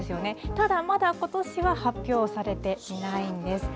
ただ、まだことしは発表されていないんです。